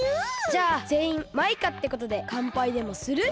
じゃあぜんいんマイカってことでかんぱいでもする？